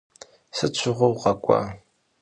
Sıt şığue vukhak'ua?